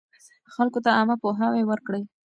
خلکو ته عامه پوهاوی ورکړئ.